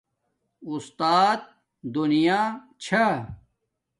اُستات دُنیا چھا